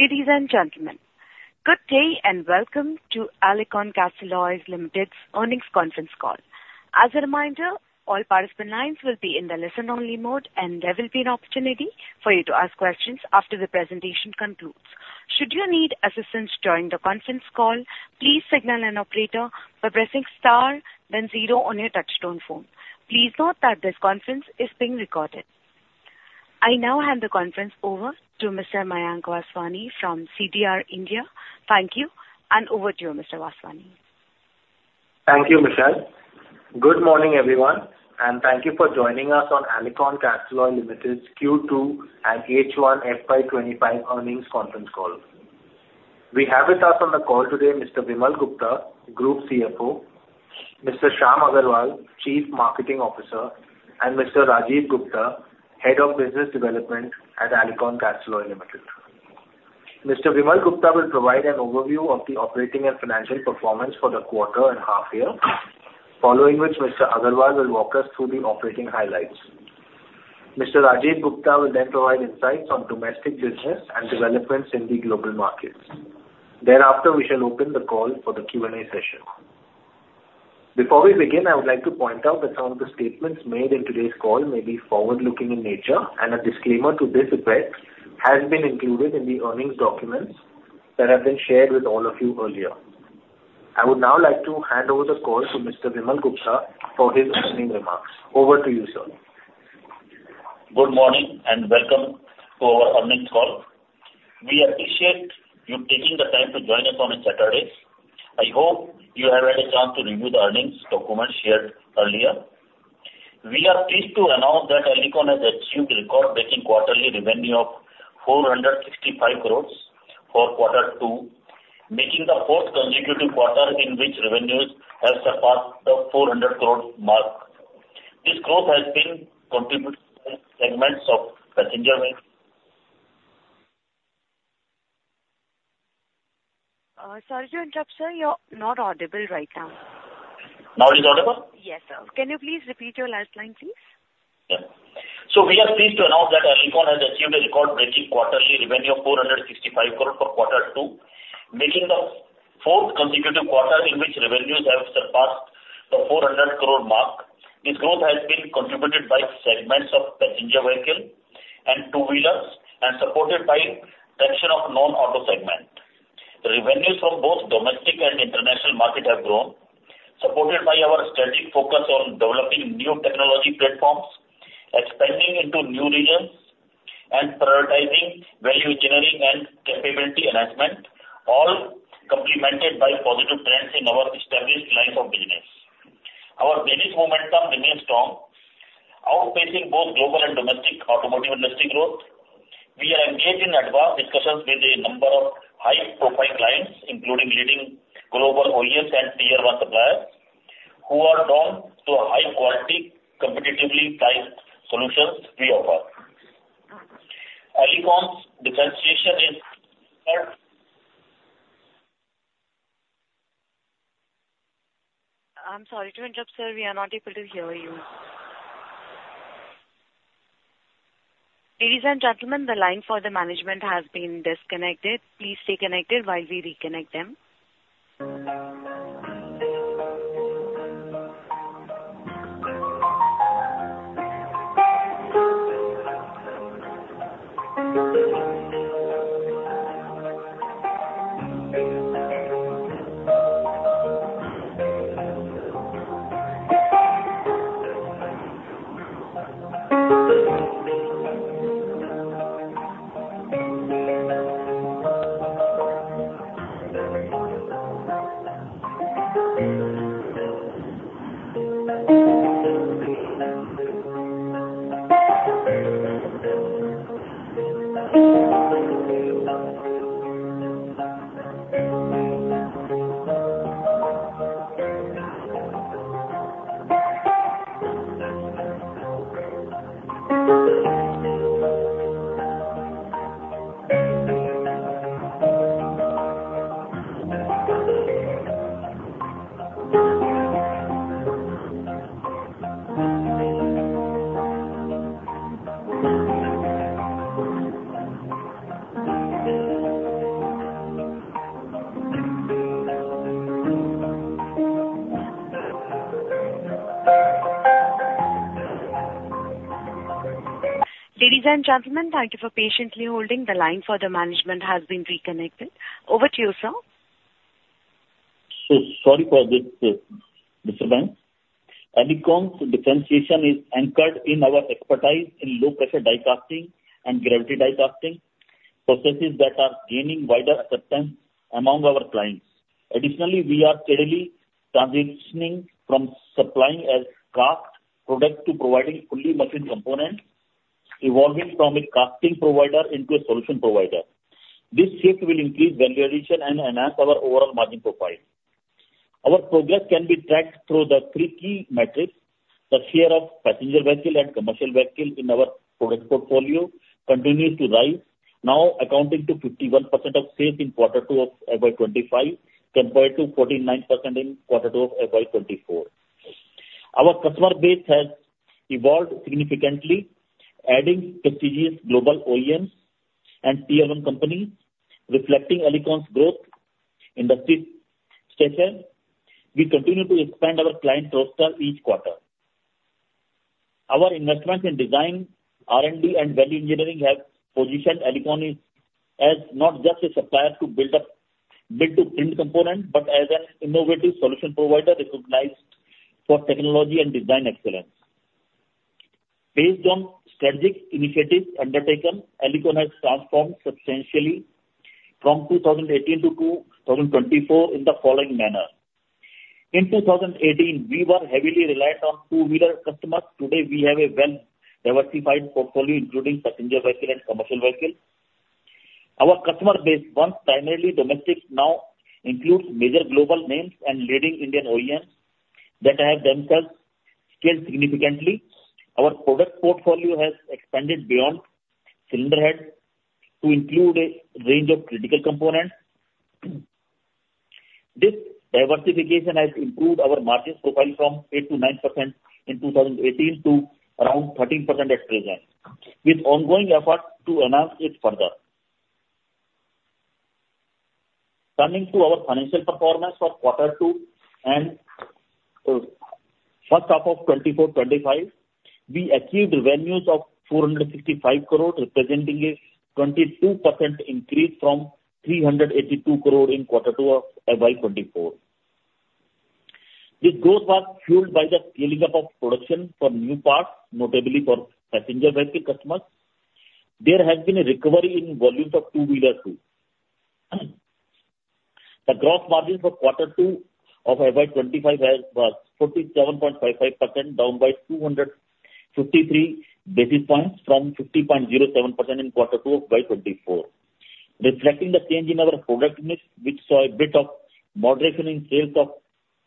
Ladies and gentlemen, good day and welcome to Alicon Castalloy Limited's earnings conference call. As a reminder, all participant lines will be in the listen-only mode, and there will be an opportunity for you to ask questions after the presentation concludes. Should you need assistance during the conference call, please signal an operator by pressing star, then zero on your touch-tone phone. Please note that this conference is being recorded. I now hand the conference over to Mr. Mayank Vaswani from CDR India. Thank you, and over to you, Mr. Vaswani. Thank you, Michelle. Good morning, everyone, and thank you for joining us on Alicon Castalloy Limited's Q2 and H1 FY 2025 earnings conference call. We have with us on the call today Mr. Vimal Gupta, Group CFO, Mr. Shyam Agarwal, Chief Marketing Officer, and Mr. Rajiv Gupta, Head of Business Development at Alicon Castalloy Limited. Mr. Vimal Gupta will provide an overview of the operating and financial performance for the quarter and half-year, following which Mr. Agarwal will walk us through the operating highlights. Mr. Rajiv Gupta will then provide insights on domestic business and developments in the global markets. Thereafter, we shall open the call for the Q&A session. Before we begin, I would like to point out that some of the statements made in today's call may be forward-looking in nature, and a disclaimer to this effect has been included in the earnings documents that have been shared with all of you earlier. I would now like to hand over the call to Mr. Vimal Gupta for his opening remarks. Over to you, sir. Good morning and welcome to our earnings call. We appreciate you taking the time to join us on a Saturday. I hope you have had a chance to review the earnings documents shared earlier. We are pleased to announce that Alicon has achieved record-breaking quarterly revenue of 465 crores for quarter two, making the fourth consecutive quarter in which revenues have surpassed the 400 crore mark. This growth has been contributed by segments of passenger vehicles. Sorry to interrupt, sir. You're not audible right now. Now it is audible? Yes, sir. Can you please repeat your last line, please? Yes. So we are pleased to announce that Alicon has achieved a record-breaking quarterly revenue of 465 crores for quarter two, making the fourth consecutive quarter in which revenues have surpassed the 400 crore mark. This growth has been contributed by segments of passenger vehicles and two-wheelers, and supported by section of non-auto segment. The revenues from both domestic and international markets have grown, supported by our steady focus on developing new technology platforms, expanding into new regions, and prioritizing value engineering and capability enhancement, all complemented by positive trends in our established lines of business. Our business momentum remains strong, outpacing both global and domestic automotive industry growth. We are engaged in advanced discussions with a number of high-profile clients, including leading global OEMs and Tier-one suppliers, who are drawn to high-quality, competitively priced solutions we offer. Alicon's differentiation is. I'm sorry to interrupt, sir. We are not able to hear you. Ladies and gentlemen, the line for the management has been disconnected. Please stay connected while we reconnect them. Ladies and gentlemen, thank you for patiently holding. The line for the management has been reconnected. Over to you, sir. Sure. Sorry for this disadvantage. Alicon's differentiation is anchored in our expertise in low-pressure die casting and gravity die casting processes that are gaining wider acceptance among our clients. Additionally, we are steadily transitioning from supplying as-cast products to providing fully machined components, evolving from a casting provider into a solution provider. This shift will increase value addition and enhance our overall margin profile. Our progress can be tracked through the three key metrics. The share of passenger vehicles and commercial vehicles in our product portfolio continues to rise, now accounting for 51% of sales in quarter two of FY 2025 compared to 49% in quarter two of FY 2024. Our customer base has evolved significantly, adding prestigious global OEMs and tier-one companies, reflecting Alicon's growth industry stature. We continue to expand our client roster each quarter. Our investments in design, R&D, and value engineering have positioned Alicon as not just a supplier to build-to-print components, but as an innovative solution provider recognized for technology and design excellence. Based on strategic initiatives undertaken, Alicon has transformed substantially from 2018 to 2024 in the following manner. In 2018, we were heavily reliant on two-wheeler customers. Today, we have a well-diversified portfolio, including passenger vehicles and commercial vehicles. Our customer base, once primarily domestic, now includes major global names and leading Indian OEMs that have themselves scaled significantly. Our product portfolio has expanded beyond cylinder heads to include a range of critical components. This diversification has improved our margin profile from 8%-9% in 2018 to around 13% at present, with ongoing efforts to enhance it further. Turning to our financial performance for quarter two and first half of 24/25, we achieved revenues of 465 crores, representing a 22% increase from 382 crores in quarter two of FY 2024. This growth was fueled by the scaling up of production for new parts, notably for passenger vehicle customers. There has been a recovery in volumes of two-wheelers too. The gross margin for quarter two of FY 2025 was 47.55%, down by 253 basis points from 50.07% in quarter two of FY 2024, reflecting the change in our product mix, which saw a bit of moderation in sales of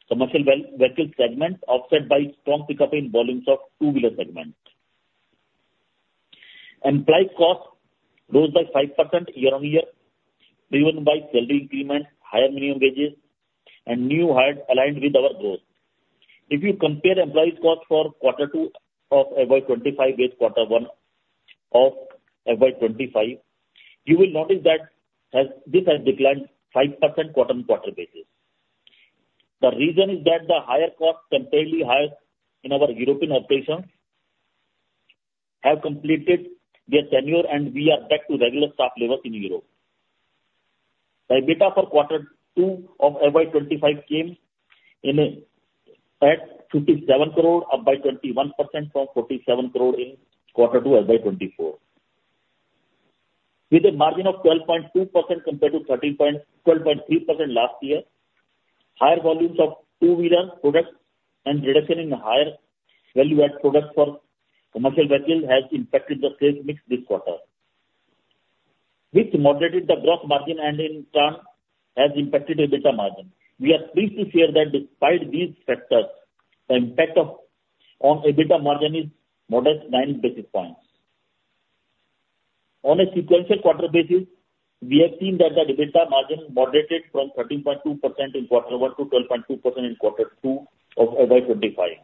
commercial vehicle segments, offset by strong pickup in volumes of two-wheeler segments. Employee cost rose by 5% year-on-year, driven by salary increments, higher minimum wages, and new hires aligned with our growth. If you compare employee costs for quarter two of FY 2025 with quarter one of FY 2025, you will notice that this has declined 5% quarter-on-quarter basis. The reason is that the temporarily higher costs in our European operations have completed their tenure, and we are back to regular staff levels in Europe. The EBITDA for quarter two of FY 2025 came in at 57 crores, up by 21% from 47 crores in quarter two of FY 2024, with a margin of 12.2% compared to 12.3% last year. Higher volumes of two-wheeler products and reduction in higher value-added products for commercial vehicles has impacted the sales mix this quarter, which moderated the gross margin and, in turn, has impacted EBITDA margin. We are pleased to share that despite these factors, the impact on EBITDA margin is modest at 9 basis points. On a sequential quarter basis, we have seen that the EBITDA margin moderated from 13.2% in quarter one to 12.2% in quarter two of FY 2025.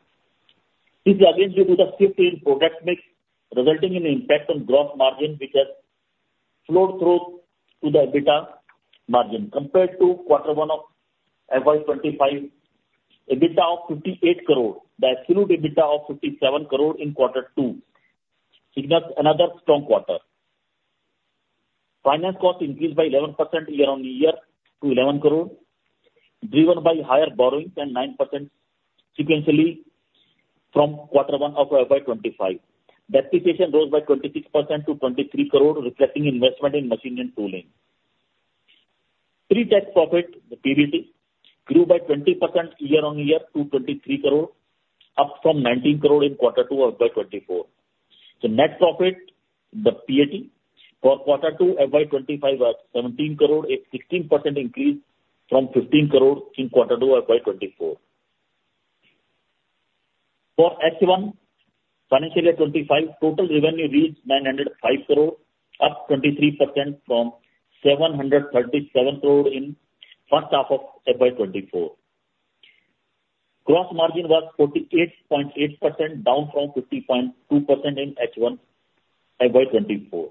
This is again due to the shift in product mix, resulting in an impact on gross margin, which has flowed through to the EBITDA margin compared to quarter one of FY 2025. EBITDA of 58 crores. The absolute EBITDA of 57 crores in quarter two signals another strong quarter. Finance cost increased by 11% year-on-year to 11 crores, driven by higher borrowings and 9% sequentially from quarter one of FY 2025. Depreciation rose by 26% to 23 crores, reflecting investment in machine and tooling. Pre-tax profit, the PBT, grew by 20% year-on-year to 23 crores, up from 19 crores in quarter two of FY 2024. The net profit, the PAT, for quarter two of FY 2025 was 17 crores, a 16% increase from 15 crores in quarter two of FY 2024. For H1, financial year 25, total revenue reached 905 crores, up 23% from 737 crores in the first half of FY 2024. Gross margin was 48.8%, down from 50.2% in H1 of FY 2024.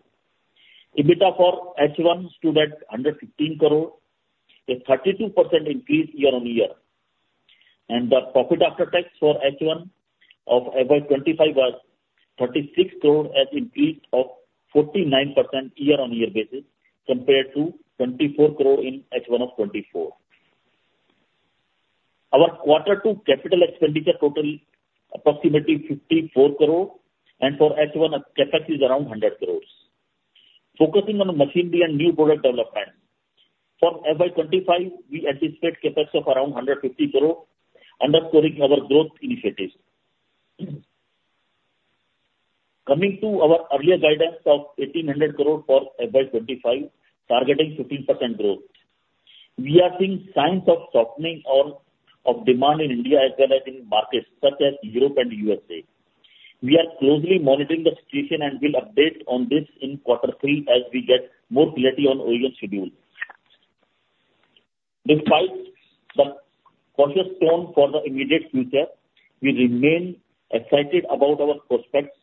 EBITDA for H1 stood at 115 crores, a 32% increase year-on-year. And the profit after tax for H1 of FY 2025 was 36 crores, an increase of 49% year-on-year basis compared to 24 crores in H1 of FY 2024. Our quarter two capital expenditure total approximately 54 crores, and for H1, the CapEx is around 100 crores. Focusing on machinery and new product development, for FY 2025, we anticipate CapEx of around 150 crores, underscoring our growth initiatives. Coming to our earlier guidance of 1,800 crores for FY 2025, targeting 15% growth, we are seeing signs of softening of demand in India as well as in markets such as Europe and the USA. We are closely monitoring the situation and will update on this in quarter three as we get more clarity on OEM schedules. Despite the cautious tone for the immediate future, we remain excited about our prospects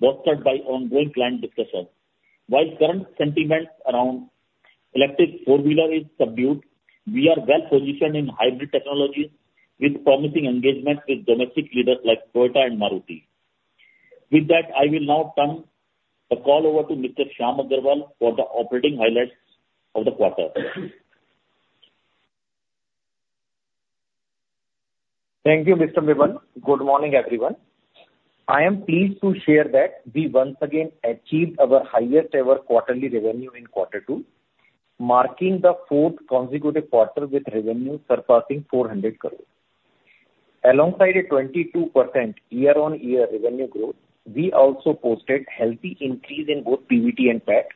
bolstered by ongoing client discussions. While current sentiment around electric four-wheelers is subdued, we are well-positioned in hybrid technologies with promising engagements with domestic leaders like Toyota and Maruti. With that, I will now turn the call over to Mr. Shyam Agarwal for the operating highlights of the quarter. Thank you, Mr. Vimal. Good morning, everyone. I am pleased to share that we once again achieved our highest-ever quarterly revenue in quarter two, marking the fourth consecutive quarter with revenue surpassing 400 crores. Alongside a 22% year-on-year revenue growth, we also posted a healthy increase in both PBT and PAT.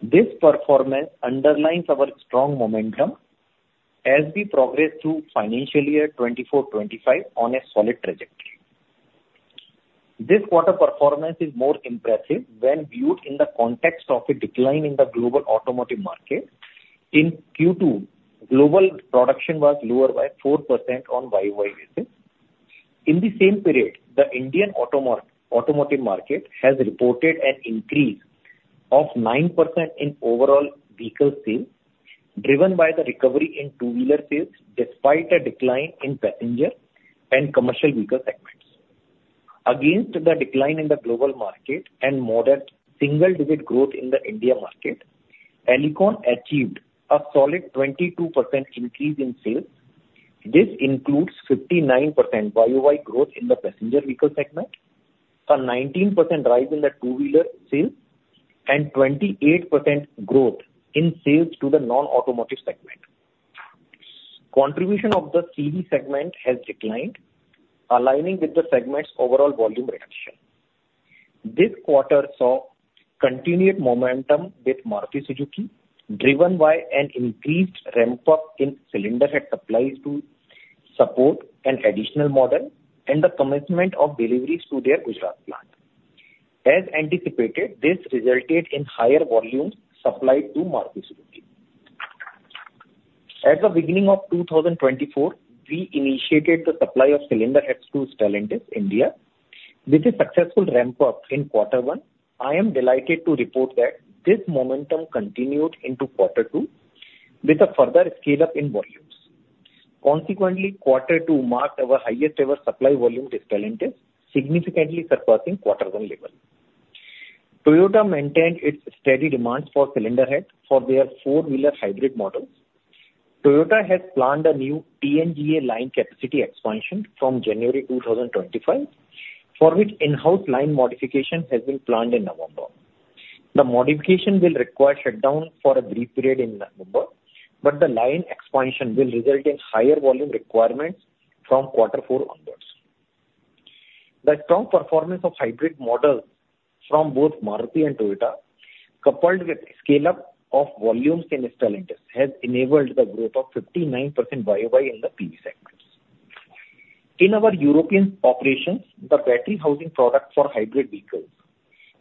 This performance underlines our strong momentum as we progress through financial year 2024/25 on a solid trajectory. This quarter performance is more impressive when viewed in the context of a decline in the global automotive market. In Q2, global production was lower by 4% on YOY basis. In the same period, the Indian automotive market has reported an increase of 9% in overall vehicle sales, driven by the recovery in two-wheeler sales despite a decline in passenger and commercial vehicle segments. Against the decline in the global market and moderate single-digit growth in the India market, Alicon achieved a solid 22% increase in sales. This includes 59% YOY growth in the passenger vehicle segment, a 19% rise in the two-wheeler sales, and 28% growth in sales to the non-automotive segment. Contribution of the CV segment has declined, aligning with the segment's overall volume reduction. This quarter saw continued momentum with Maruti Suzuki, driven by an increased ramp-up in cylinder head supplies to support an additional model and the commitment of deliveries to their Gujarat plant. As anticipated, this resulted in higher volumes supplied to Maruti Suzuki. At the beginning of 2024, we initiated the supply of cylinder heads to Stellantis India. With a successful ramp-up in quarter one, I am delighted to report that this momentum continued into quarter two with a further scale-up in volumes. Consequently, quarter two marked our highest-ever supply volume to Stellantis, significantly surpassing quarter-one level. Toyota maintained its steady demands for cylinder heads for their four-wheeler hybrid models. Toyota has planned a new TNGA line capacity expansion from January 2025, for which in-house line modification has been planned in November. The modification will require shutdown for a brief period in November, but the line expansion will result in higher volume requirements from quarter four onwards. The strong performance of hybrid models from both Maruti and Toyota, coupled with the scale-up of volumes in Stellantis, has enabled the growth of 59% YOY in the PV segments. In our European operations, the battery housing product for hybrid vehicles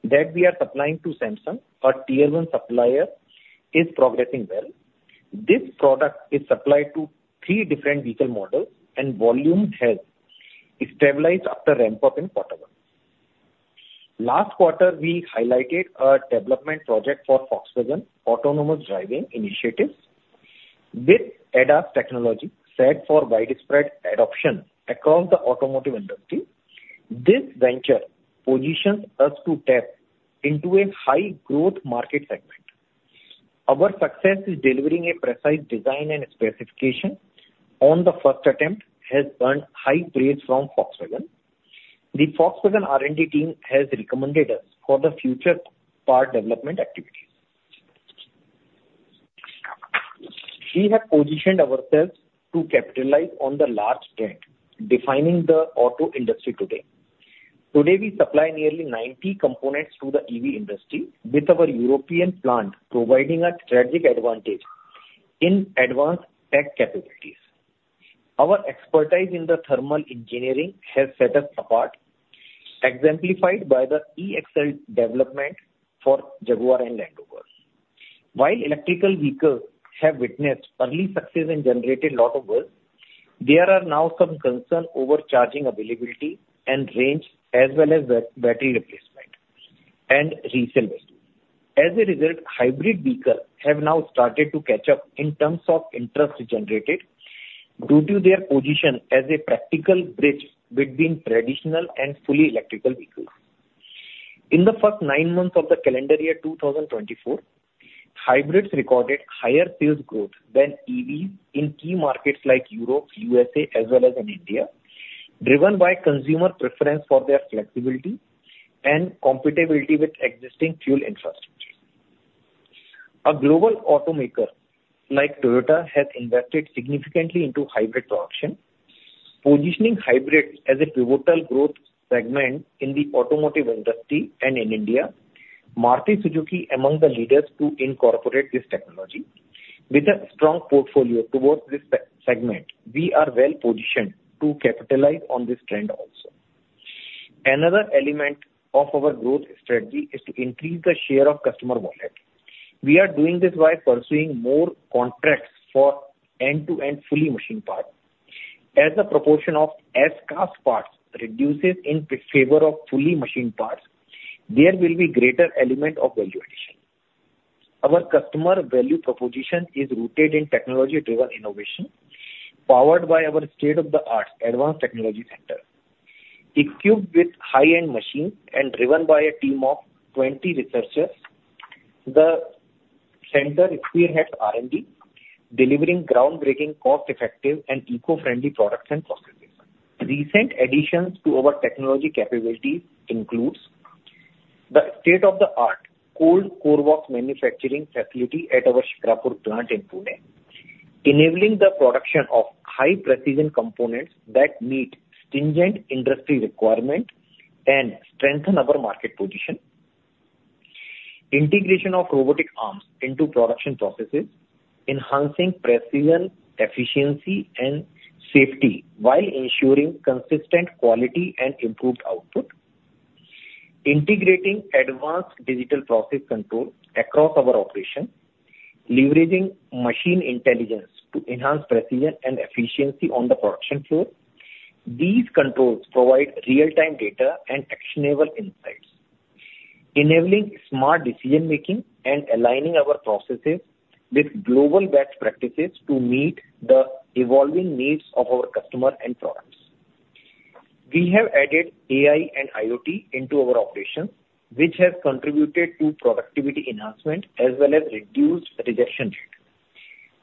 that we are supplying to Samsung, our Tier-one supplier, is progressing well. This product is supplied to three different vehicle models, and volume has stabilized after ramp-up in quarter one. Last quarter, we highlighted a development project for Volkswagen Autonomous Driving Initiative. With ADAS technology set for widespread adoption across the automotive industry, this venture positions us to tap into a high-growth market segment. Our success in delivering a precise design and specification on the first attempt has earned high praise from Volkswagen. The Volkswagen R&D team has recommended us for the future part development activities. We have positioned ourselves to capitalize on the large trend defining the auto industry today. Today, we supply nearly 90 components to the EV industry, with our European plant providing a strategic advantage in advanced tech capabilities. Our expertise in the thermal engineering has set us apart, exemplified by the e-axle development for Jaguar Land Rover. While electric vehicles have witnessed early success and generated a lot of work, there are now some concerns over charging availability and range, as well as battery replacement and resale value. As a result, hybrid vehicles have now started to catch up in terms of interest generated due to their position as a practical bridge between traditional and fully electric vehicles. In the first nine months of the calendar year 2024, hybrids recorded higher sales growth than EVs in key markets like Europe, USA, as well as in India, driven by consumer preference for their flexibility and compatibility with existing fuel infrastructure. A global automaker like Toyota has invested significantly into hybrid production, positioning hybrids as a pivotal growth segment in the automotive industry and in India. Maruti Suzuki is among the leaders to incorporate this technology. With a strong portfolio towards this segment, we are well-positioned to capitalize on this trend also. Another element of our growth strategy is to increase the share of customer wallet. We are doing this by pursuing more contracts for end-to-end fully machined parts. As the proportion of as-cast parts reduces in favor of fully machined parts, there will be a greater element of value addition. Our customer value proposition is rooted in technology-driven innovation, powered by our state-of-the-art advanced technology center. Equipped with high-end machines and driven by a team of 20 researchers, the center spearheads R&D, delivering groundbreaking, cost-effective, and eco-friendly products and processes. Recent additions to our technology capabilities include the state-of-the-art cold core box manufacturing facility at our Shikrapur plant in Pune, enabling the production of high-precision components that meet stringent industry requirements and strengthen our market position. Integration of robotic arms into production processes enhances precision, efficiency, and safety while ensuring consistent quality and improved output. Integrating advanced digital process control across our operations leverages machine intelligence to enhance precision and efficiency on the production floor. These controls provide real-time data and actionable insights, enabling smart decision-making and aligning our processes with global best practices to meet the evolving needs of our customers and products. We have added AI and IoT into our operations, which has contributed to productivity enhancement as well as reduced rejection rate.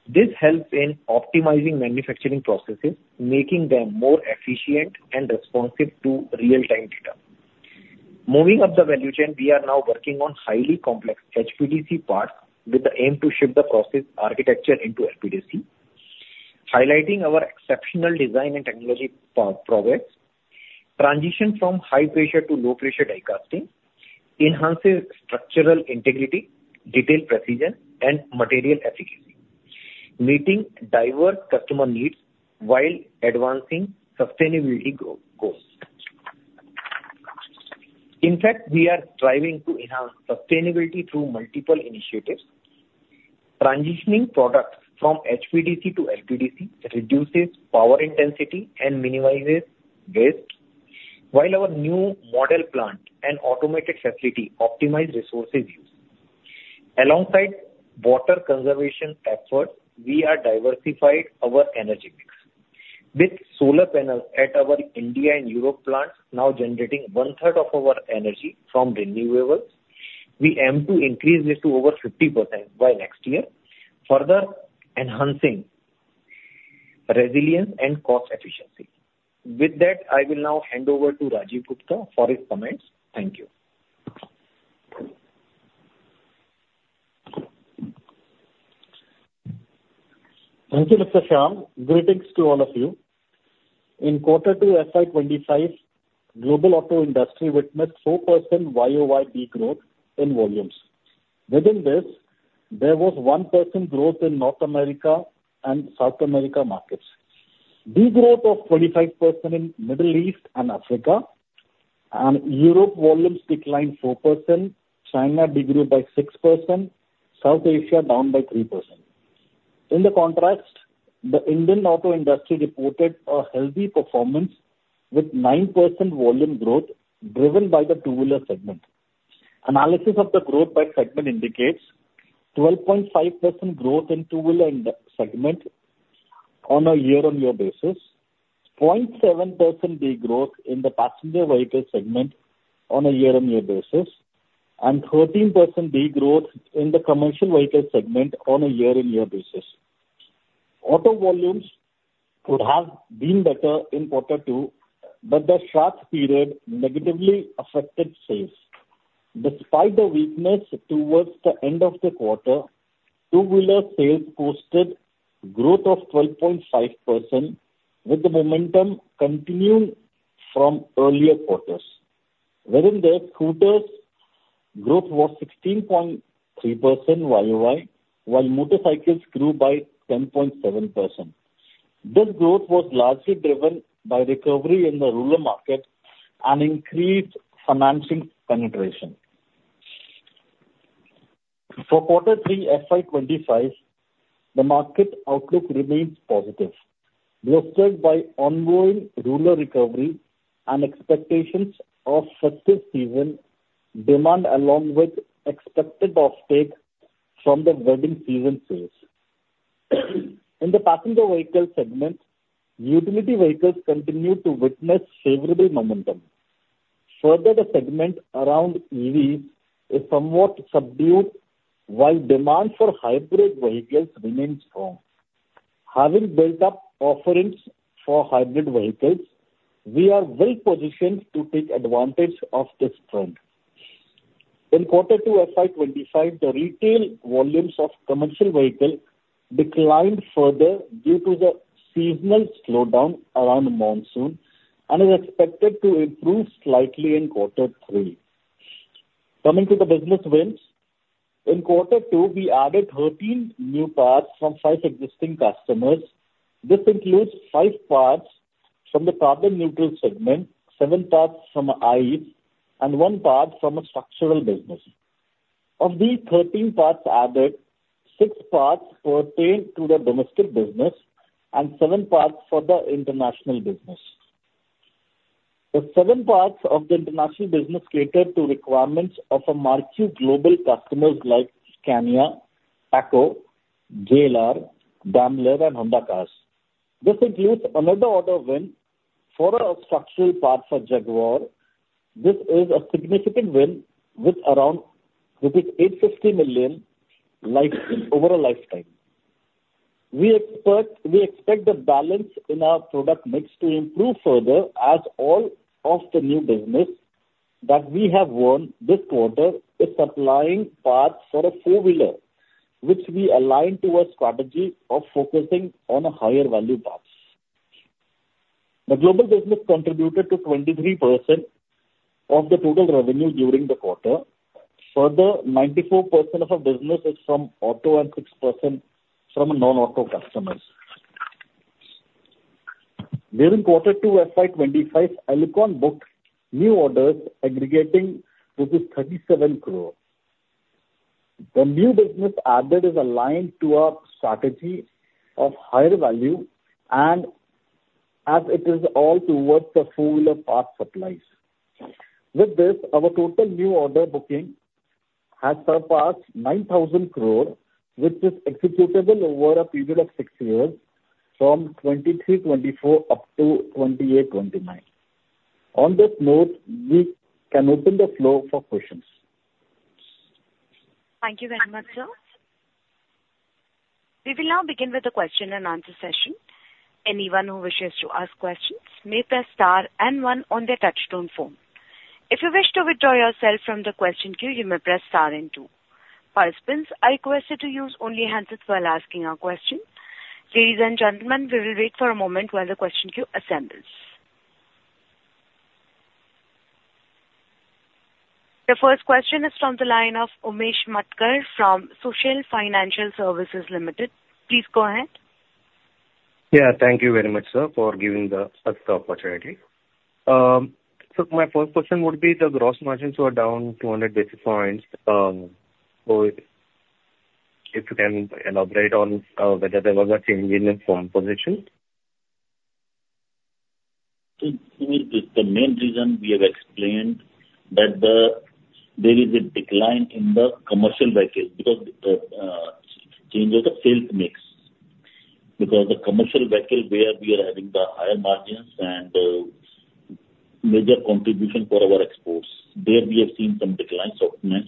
This helps in optimizing manufacturing processes, making them more efficient and responsive to real-time data. Moving up the value chain, we are now working on highly complex HPDC parts with the aim to shift the process architecture into HPDC, highlighting our exceptional design and technology progress. Transition from high-pressure to low-pressure die casting enhances structural integrity, detail precision, and material efficacy, meeting diverse customer needs while advancing sustainability goals. In fact, we are striving to enhance sustainability through multiple initiatives. Transitioning products from HPDC to LPDC reduces power intensity and minimizes waste, while our new model plant and automated facility optimize resource use. Alongside water conservation efforts, we have diversified our energy mix. With solar panels at our India and Europe plants, now generating one-third of our energy from renewables, we aim to increase this to over 50% by next year, further enhancing resilience and cost efficiency. With that, I will now hand over to Rajiv Gupta for his comments. Thank you. Thank you, Mr. Shyam. Greetings to all of you. In quarter two, FY 2025, global auto industry witnessed 4% YOY degrowth in volumes. Within this, there was 1% growth in North America and South America markets. Degrowth of 25% in the Middle East and Africa, and Europe volumes declined 4%. China degrew by 6%. South Asia down by 3%. In contrast, the Indian auto industry reported a healthy performance with 9% volume growth driven by the two-wheeler segment. Analysis of the growth by segment indicates 12.5% growth in the two-wheeler segment on a year-on-year basis, 0.7% degrowth in the passenger vehicle segment on a year-on-year basis, and 13% degrowth in the commercial vehicle segment on a year-on-year basis. Auto volumes would have been better in quarter two, but the sharp period negatively affected sales. Despite the weakness towards the end of the quarter, two-wheeler sales posted growth of 12.5%, with the momentum continuing from earlier quarters. Within this, scooters' growth was 16.3% YOY, while motorcycles grew by 10.7%. This growth was largely driven by recovery in the rural market and increased financing penetration. For quarter three, FY 2025, the market outlook remains positive, bolstered by ongoing rural recovery and expectations of festive season demand, along with expected offtake from the wedding season sales. In the passenger vehicle segment, utility vehicles continue to witness favorable momentum. Further, the segment around EVs is somewhat subdued, while demand for hybrid vehicles remains strong. Having built up offerings for hybrid vehicles, we are well-positioned to take advantage of this trend. In quarter two, FY 2025, the retail volumes of commercial vehicles declined further due to the seasonal slowdown around monsoon, and is expected to improve slightly in quarter three. Coming to the business wins, in quarter two, we added 13 new parts from five existing customers. This includes five parts from the carbon-neutral segment, seven parts from ICE, and one part from a structural business. Of the 13 parts added, six parts pertain to the domestic business and seven parts for the international business. The seven parts of the international business catered to requirements of a marquee global customers like Scania, PACCAR, JLR, Daimler, and Honda Cars. This includes another order win for a structural part for Jaguar. This is a significant win with around rupees 850 million over a lifetime. We expect the balance in our product mix to improve further as all of the new business that we have won this quarter is supplying parts for a four-wheeler, which we aligned to a strategy of focusing on higher value parts. The global business contributed to 23% of the total revenue during the quarter. Further, 94% of our business is from auto and 6% from non-auto customers. During quarter two, FY 2025, Alicon booked new orders aggregating to 37 crore. The new business added is aligned to our strategy of higher value and as it is all towards the four-wheeler parts supplies. With this, our total new order booking has surpassed 9,000 crore, which is executable over a period of six years from 2023-2024 up to 2028-2029. On this note, we can open the floor for questions. Thank you very much, sir. We will now begin with the question and answer session. Anyone who wishes to ask questions may press star and one on their touch-tone phone. If you wish to withdraw yourself from the question queue, you may press star and two. Participants, I request you to use only the handset while asking a question. Ladies and gentlemen, we will wait for a moment while the question queue assembles. The first question is from the line of Umesh Matkar from Sushil Financial Services Limited. Please go ahead. Yeah, thank you very much, sir, for giving the first opportunity. So my first question would be the gross margins were down 200 basis points. So if you can elaborate on whether there was a change in the product mix. The main reason we have explained, that there is a decline in the commercial vehicles because the change of the sales mix. Because the commercial vehicle where we are having the higher margins and major contribution for our exports, there we have seen some decline softness,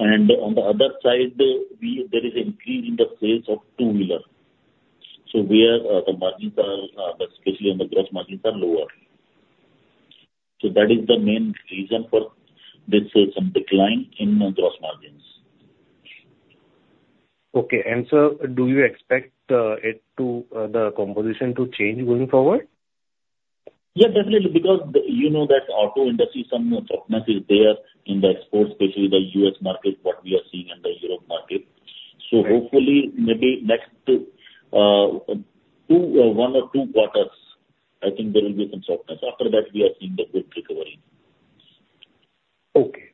and on the other side, there is an increase in the sales of two-wheeler, so where the margins are, especially on the gross margins, are lower, so that is the main reason for this some decline in gross margins. Okay, and sir, do you expect the composition to change going forward? Yeah, definitely. Because you know that auto industry, some softness is there in the exports, especially the U.S. market, what we are seeing in the Europe market. So hopefully, maybe next one or two quarters, I think there will be some softness. After that, we are seeing the good recovery. Okay.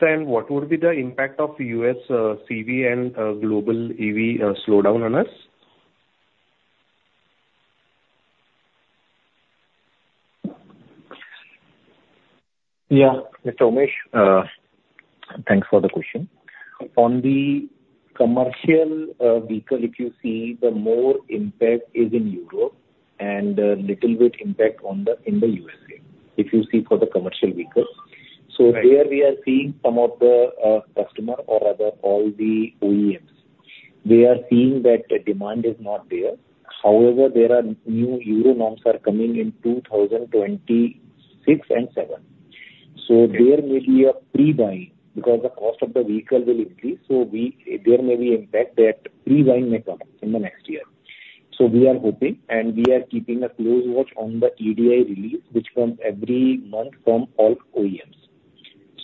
Sir, and what would be the impact of U.S. CV and global EV slowdown on us? Yeah, Mr. Umesh, thanks for the question. On the commercial vehicle, if you see, the more impact is in Europe and a little bit impact in the USA if you see for the commercial vehicles. So there we are seeing some of the customer or all the OEMs. We are seeing that demand is not there. However, there are new Euro norms coming in 2026 and 2027. So there may be a pre-buy because the cost of the vehicle will increase. So there may be impact that pre-buy may come in the next year. So we are hoping and we are keeping a close watch on the EDI release, which comes every month from all OEMs.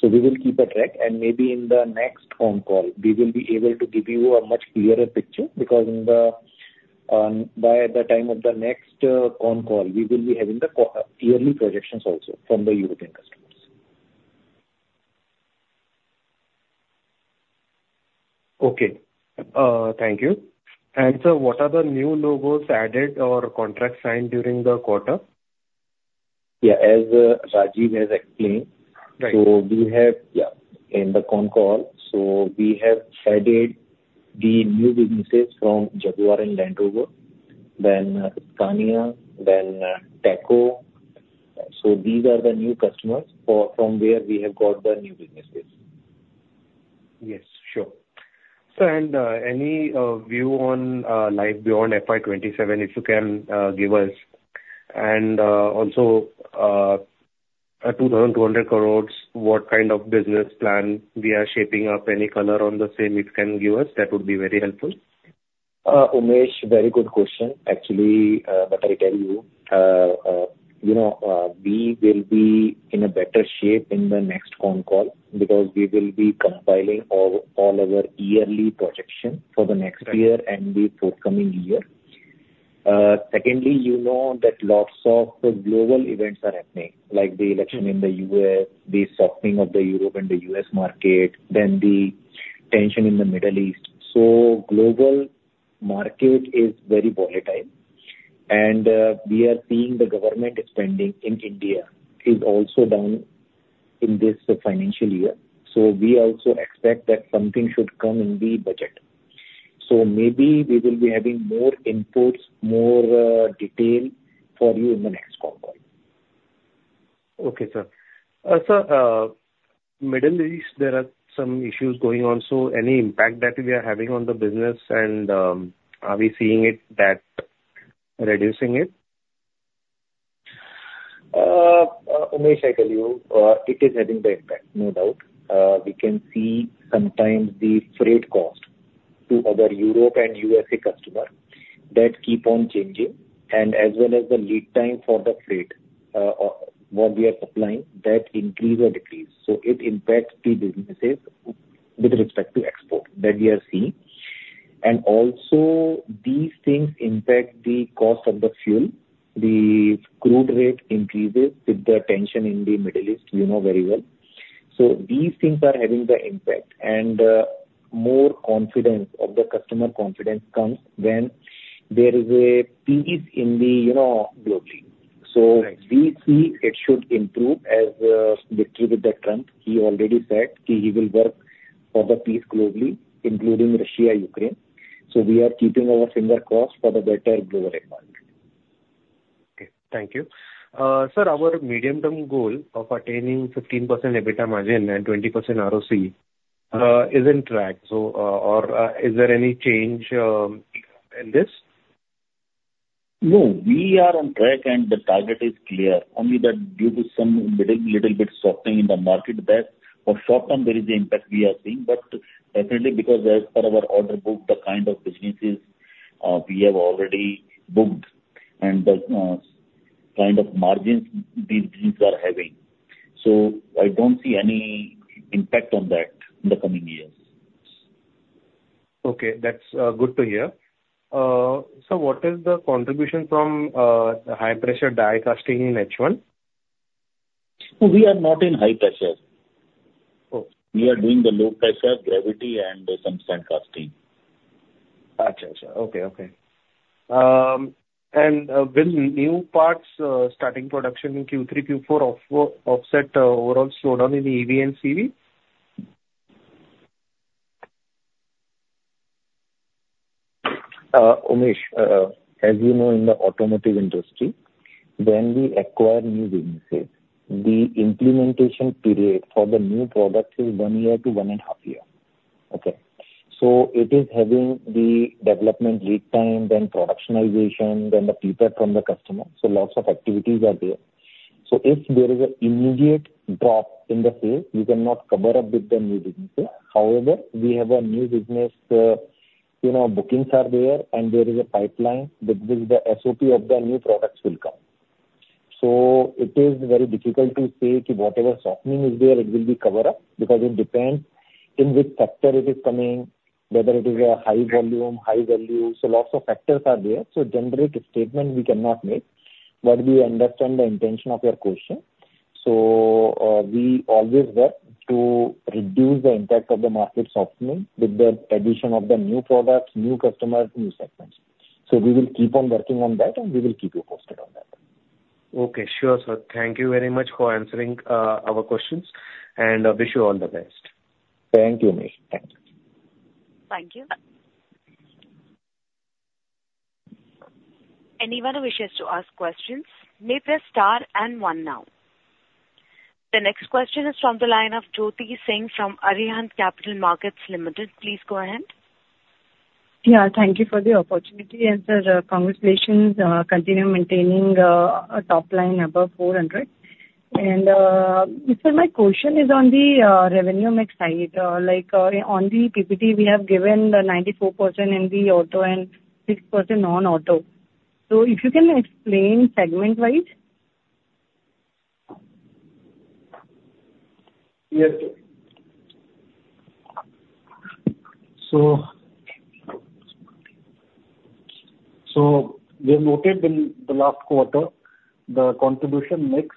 So we will keep a track. And maybe in the next phone call, we will be able to give you a much clearer picture because by the time of the next phone call, we will be having the yearly projections also from the European customers. Okay. Thank you. And sir, what are the new logos added or contracts signed during the quarter? Yeah, as Rajiv has explained. So we have, yeah, in the phone call, so we have added the new businesses from Jaguar and Land Rover, then Scania, then PACCAR. So these are the new customers from where we have got the new businesses. Yes, sure. Sir, and any view on life beyond FY 2027, if you can give us? And also, 2,200 crores, what kind of business plan we are shaping up? Any color on the same it can give us? That would be very helpful. Umesh, very good question. Actually, what I tell you, we will be in a better shape in the next phone call because we will be compiling all our yearly projections for the next year and the forthcoming year. Secondly, you know that lots of global events are happening, like the election in the U.S., the softening of the Europe and the U.S. market, then the tension in the Middle East. So global market is very volatile, and we are seeing the government spending in India is also down in this financial year. So we also expect that something should come in the budget. So maybe we will be having more inputs, more detail for you in the next phone call. Okay, sir. Sir, Middle East, there are some issues going on. So, any impact that we are having on the business, and are we seeing it that reducing it? Umesh, I tell you, it is having the impact, no doubt. We can see sometimes the freight cost to other Europe and USA customers that keep on changing. And as well as the lead time for the freight, what we are supplying, that increase or decrease. So it impacts the businesses with respect to export that we are seeing. And also, these things impact the cost of the fuel. The crude rate increases with the tension in the Middle East, you know very well. So these things are having the impact. And more customer confidence comes when there is peace globally. So we see it should improve with Trump's victory. He already said he will work for the peace globally, including Russia, Ukraine. So we are keeping our fingers crossed for the better global environment. Okay. Thank you. Sir, our medium-term goal of attaining 15% EBITDA margin and 20% ROC is on track. So is there any change in this? No. We are on track, and the target is clear. Only that due to some little bit softening in the market, that for short term, there is the impact we are seeing. But definitely, because as per our order book, the kind of businesses we have already booked and the kind of margins these businesses are having, so I don't see any impact on that in the coming years. Okay. That's good to hear. Sir, what is the contribution from the high-pressure die casting in H1? We are not in high-pressure. We are doing the low-pressure gravity and some sand casting. Gotcha, sir. Okay, okay. And will new parts starting production in Q3, Q4 offset overall slowdown in EV and CV? Umesh, as you know, in the automotive industry, when we acquire new businesses, the implementation period for the new product is one year to one and a half year. Okay. So it is having the development lead time, then productionization, then the feedback from the customer. So lots of activities are there. So if there is an immediate drop in the sales, we cannot cover up with the new businesses. However, we have a new business bookings are there, and there is a pipeline with which the SOP of the new products will come. So it is very difficult to say whatever softening is there, it will be covered up because it depends in which sector it is coming, whether it is a high volume, high value. So lots of factors are there. So generic statement we cannot make, but we understand the intention of your question. So we always work to reduce the impact of the market softening with the addition of the new products, new customers, new segments. So we will keep on working on that, and we will keep you posted on that. Okay. Sure, sir. Thank you very much for answering our questions, and I wish you all the best. Thank you, Umesh. Thanks. Thank you. Anyone who wishes to ask questions, may press star and one now. The next question is from the line of Jyoti Singh from Arihant Capital Markets Limited. Please go ahead. Yeah, thank you for the opportunity, and sir, congratulations. Continue maintaining a top line above 400, and sir, my question is on the revenue mix side. On the PPT, we have given the 94% in the auto and 6% non-auto, so if you can explain segment-wise. Yes. So we noted in the last quarter, the contribution mix,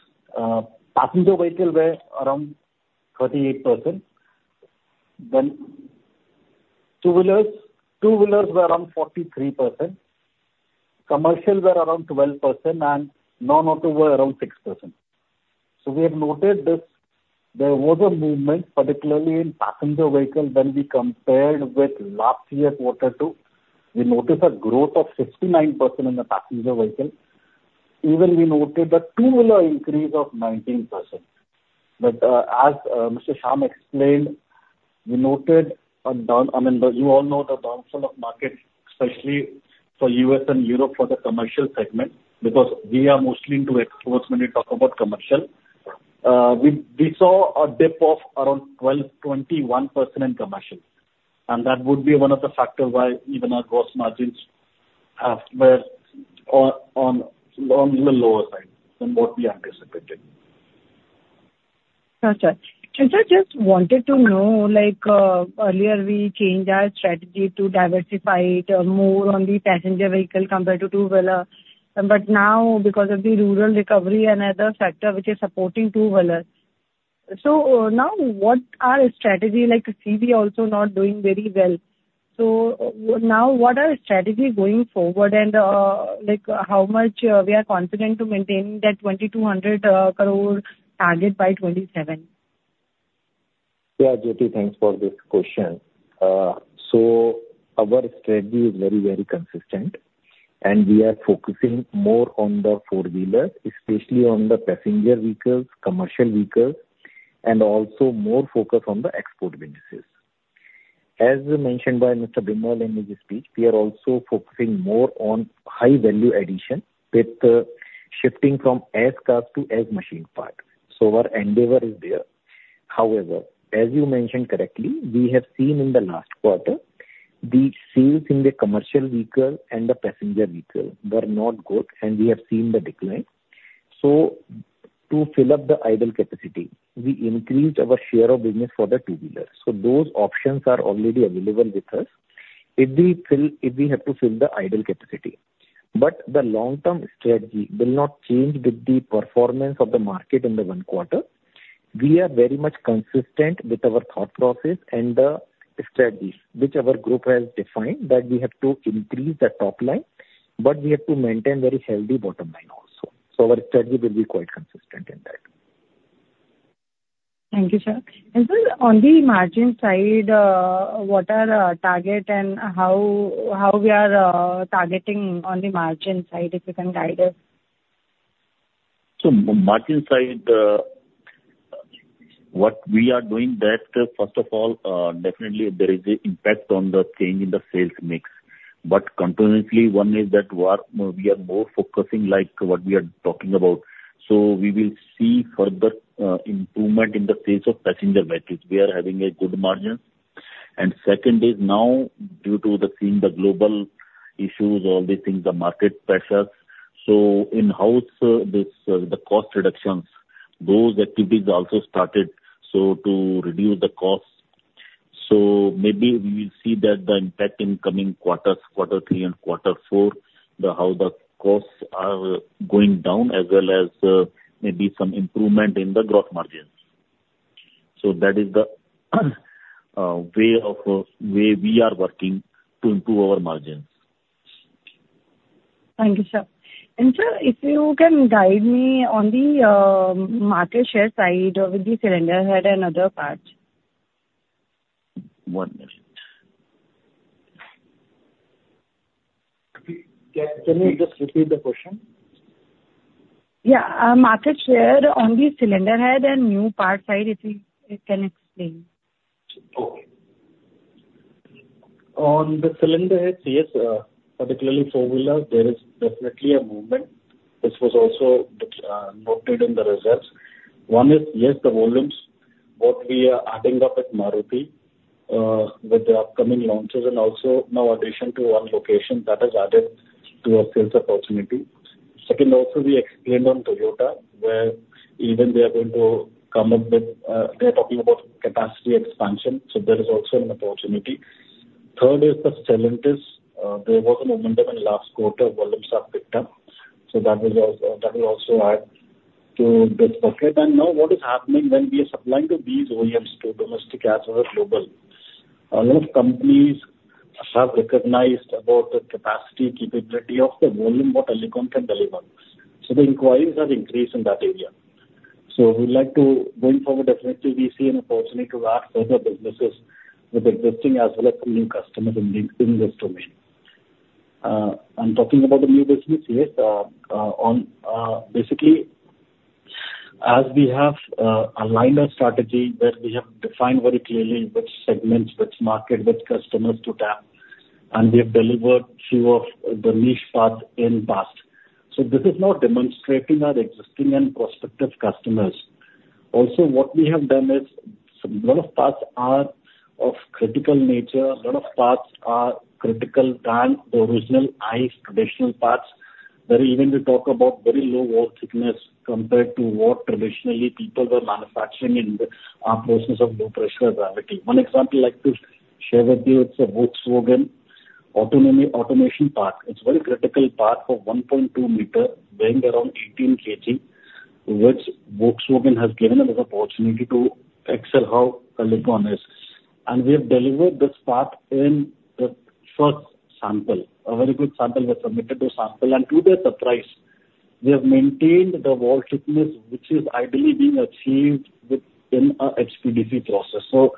passenger vehicle were around 38%. Then two-wheelers were around 43%. Commercial were around 12%, and non-auto were around 6%. So we have noted this. There was a movement, particularly in passenger vehicle when we compared with last year's quarter two. We noticed a growth of 69% in the passenger vehicle. Even we noted the two-wheeler increase of 19%. But as Mr. Shyam explained, we noted a down, I mean, you all know the downfall of market, especially for US and Europe for the commercial segment because we are mostly into exports when we talk about commercial. We saw a dip of around 21% in commercial. And that would be one of the factors why even our gross margins were on the lower side than what we anticipated. Gotcha, and sir, just wanted to know, earlier we changed our strategy to diversify more on the passenger vehicle compared to two-wheeler. But now, because of the rural recovery and other factors which are supporting two-wheelers, so now what are the strategy? CV also not doing very well. So now what are the strategies going forward, and how much we are confident to maintain that 2,200 crore target by 2027? Yeah, Jyoti, thanks for this question. So our strategy is very, very consistent, and we are focusing more on the four-wheelers, especially on the passenger vehicles, commercial vehicles, and also more focus on the export businesses. As mentioned by Mr. Vimal in his speech, we are also focusing more on high-value addition with shifting from as-cast to machined parts. So our endeavor is there. However, as you mentioned correctly, we have seen in the last quarter, the sales in the commercial vehicle and the passenger vehicle were not good, and we have seen the decline. So to fill up the idle capacity, we increased our share of business for the two-wheelers. So those options are already available with us if we have to fill the idle capacity. But the long-term strategy will not change with the performance of the market in the one quarter. We are very much consistent with our thought process and the strategies which our group has defined that we have to increase the top line, but we have to maintain very healthy bottom line also. So our strategy will be quite consistent in that. Thank you, sir. Sir, on the margin side, what are the target and how we are targeting on the margin side, if you can guide us? So, margin side, what we are doing that, first of all, definitely there is an impact on the change in the sales mix. But continuously, one is that we are more focusing like what we are talking about. So we will see further improvement in the sales of passenger vehicles. We are having a good margin. And second is now, due to seeing the global issues, all these things, the market pressures. So in-house, the cost reductions, those activities also started to reduce the costs. So maybe we will see that the impact in coming quarters, quarter three and quarter four, how the costs are going down as well as maybe some improvement in the gross margins. So that is the way we are working to improve our margins. Thank you, sir. And sir, if you can guide me on the market share side with the cylinder head and other parts. One minute. Can you just repeat the question? Yeah. Market share on the cylinder head and new part side, if you can explain? Okay. On the cylinder heads, yes, particularly four-wheelers, there is definitely a movement. This was also noted in the results. One is, yes, the volumes, what we are adding up at Maruti with the upcoming launches. And also, now, in addition to one location, that has added to our sales opportunity. Second, also, we explained on Toyota, where even they are going to come up with they are talking about capacity expansion. So there is also an opportunity. Third is the cylinders. There was a momentum in last quarter. Volumes have picked up. So that will also add to this bucket. And now, what is happening when we are supplying to these OEMs, to domestic as well as global, a lot of companies have recognized about the capacity, capability of the volume, what Alicon can deliver. So the inquiries have increased in that area. So we'd like to, going forward, definitely we see an opportunity to add further businesses with existing as well as some new customers in this domain. I'm talking about the new business, yes. Basically, as we have aligned our strategy that we have defined very clearly which segments, which market, which customers to tap. And we have delivered a few of the niche parts in past. So this is now demonstrating our existing and prospective customers. Also, what we have done is a lot of parts are of critical nature. A lot of parts are critical than the original ICE traditional parts, where even we talk about very low wall thickness compared to what traditionally people were manufacturing in the process of low pressure gravity. One example I'd like to share with you, it's a Volkswagen autonomous part. It's a very critical part for 1.2 m, weighing around 18 kg, which Volkswagen has given us an opportunity to excel how Alicon is, and we have delivered this part in the first sample. A very good sample was submitted to them, and to their surprise, we have maintained the wall thickness, which is ideally being achieved within an HPDC process. So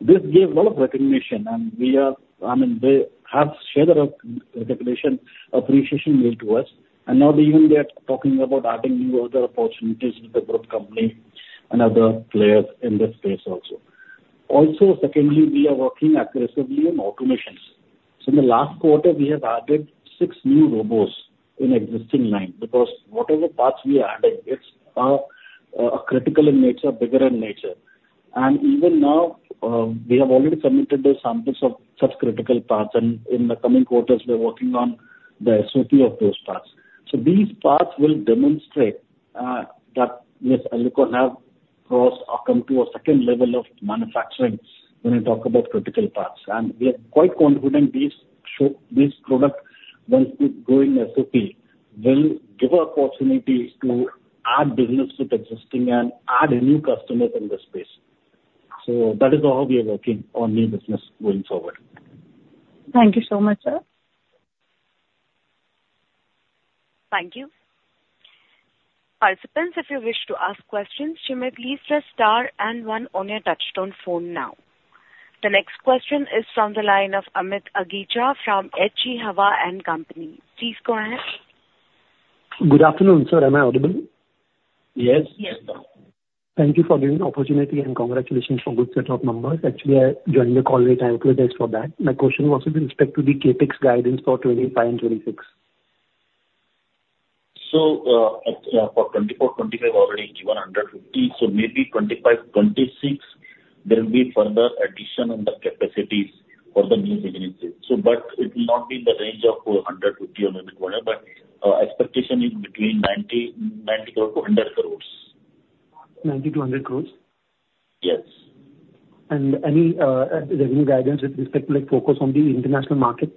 this gives a lot of recognition, and we are, I mean, they have shared a lot of recognition, appreciation made to us. And now, even they are talking about adding new other opportunities with the group company and other players in this space also. Also, secondly, we are working aggressively on automation. So in the last quarter, we have added six new robots in existing lines because whatever parts we are adding, it's critical in nature, bigger in nature. And even now, we have already submitted samples of such critical parts. And in the coming quarters, we're working on the SOP of those parts. So these parts will demonstrate that, yes, Alicon have crossed or come to a second level of manufacturing when we talk about critical parts. And we are quite confident these products, when going SOP, will give an opportunity to add business with existing and add new customers in this space. So that is how we are working on new business going forward. Thank you so much, sir. Thank you. Participants, if you wish to ask questions, you may please press star and one on your touch-tone phone now. The next question is from the line of Amit Agicha from H.G. Hawa & Co. Please go ahead. Good afternoon, sir. Am I audible? Yes. Yes. Thank you for giving the opportunity and congratulations for a good set of numbers. Actually, I joined the call later with this for that. My question was with respect to the Capex guidance for 25 and 26. So for 2024, 2025, already given 150. So maybe 2025, 2026, there will be further addition on the capacities for the new businesses. But it will not be in the range of 150 or maybe INR 200. But expectation is between 90 to 100 crores. 90-100 crores? Yes. Any revenue guidance with respect to focus on the international market?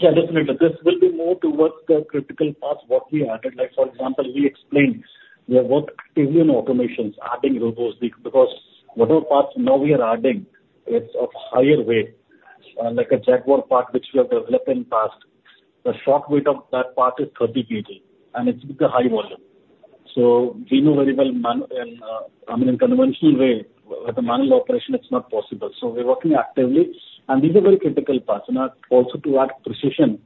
Yeah, definitely. This will be more towards the critical parts what we added. For example, we explained we are working actively on automations, adding robots because whatever parts now we are adding, it's of higher weight, like a Jaguar part which we have developed in the past. The shot weight of that part is 30 kg. And it's with the high volume. So we know very well, I mean, in conventional way, with the manual operation, it's not possible. So we're working actively. And these are very critical parts. And also to add precision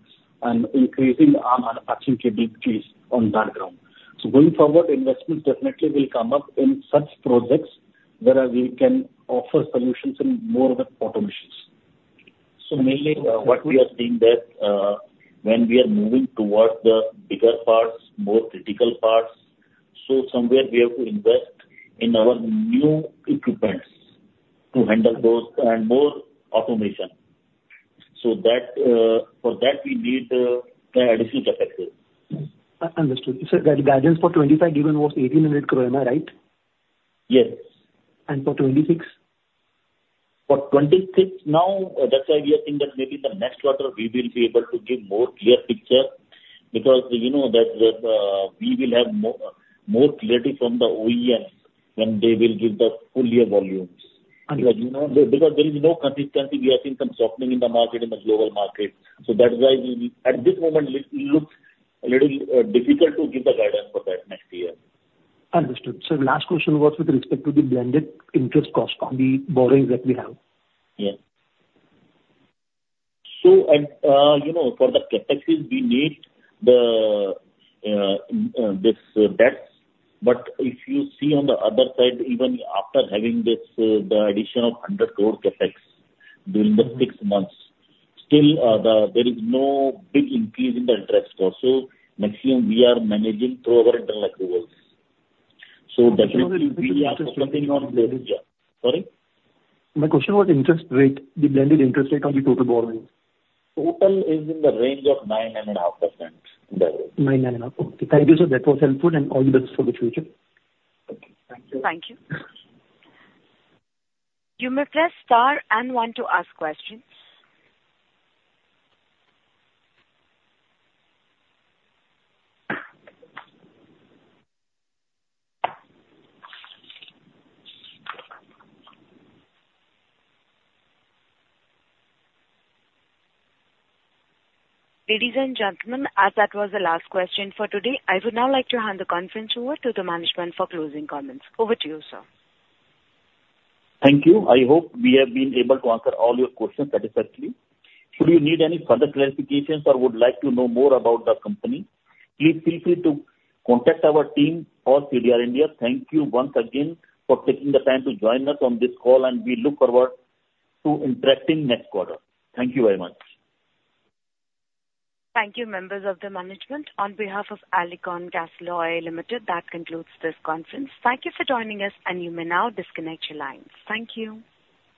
and increasing our manufacturing capabilities on that ground. So going forward, investment definitely will come up in such projects where we can offer solutions in more with automations. Mainly what we are seeing that when we are moving towards the bigger parts, more critical parts, so somewhere we have to invest in our new equipment to handle those and more automation. For that, we need additional capex. Understood. So guidance for 25 given was 1,800 crore, am I right? Yes. For 26? FY 2026 now, that's why we are seeing that maybe in the next quarter, we will be able to give more clear picture because we know that we will have more clarity from the OEMs when they will give the full year volumes. Because there is no consistency, we are seeing some softening in the market, in the global market, so that's why at this moment, it looks a little difficult to give the guidance for that next year. Understood, so last question was with respect to the blended interest cost on the borrowings that we have. Yes. So for the capex, we need this debt. But if you see on the other side, even after having the addition of 100 crore capex during the six months, still there is no big increase in the interest cost. So next year, we are managing through our internal approvals. So definitely, we are focusing on the. My question was interest rate, the blended interest rate on the total borrowing. Total is in the range of 9.5%. Nine and a half. Okay. Thank you, sir. That was helpful and all the best for the future. Thank you. Thank you. You may press star and one to ask questions. Ladies and gentlemen, as that was the last question for today, I would now like to hand the conference over to the management for closing comments. Over to you, sir. Thank you. I hope we have been able to answer all your questions satisfactorily. Should you need any further clarifications or would like to know more about the company, please feel free to contact our team or CDR India. Thank you once again for taking the time to join us on this call, and we look forward to interacting next quarter. Thank you very much. Thank you, members of the management. On behalf of Alicon Castalloy Limited, that concludes this conference. Thank you for joining us, and you may now disconnect your lines. Thank you.